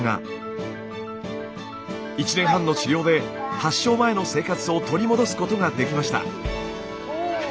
１年半の治療で発症前の生活を取り戻すことができました。